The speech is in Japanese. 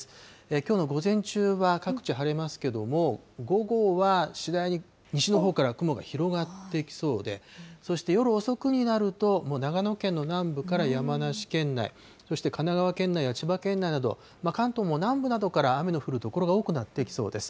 きょうの午前中は各地晴れますけれども、午後は次第に西のほうから雲が広がってきそうで、そして夜遅くになると、もう長野県の南部から山梨県内、そして神奈川県内や千葉県内など、関東も南部などから雨の降る所が多くなってきそうです。